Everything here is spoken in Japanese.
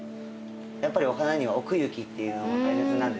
やっぱりお花には奥行きっていうのが大切なんでですね